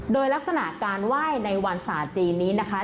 โดยลักษณะการไหว้ในวันศาสตร์จีนนี้นะคะ